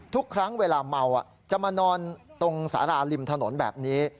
ทุกครั้งเวลาเมาจะมานอนตรงสาราริมถนนแบบนี้